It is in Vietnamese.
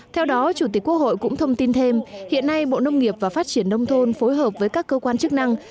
theo đó chủ tịch quốc hội cũng thông tin thêm hiện nay bộ nông nghiệp và phát triển nông thôn phối hợp với các cơ quan chức năng